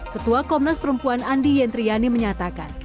ketua komnas perempuan andi yentriani menyatakan